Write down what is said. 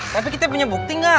tapi kita punya bukti nggak